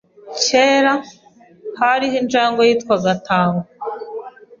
Kera, hariho injangwe yitwaga Tango.